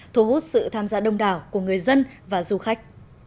thu hút sự tham gia đông đảo của người dân và du khách